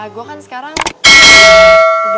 gue kan sekarang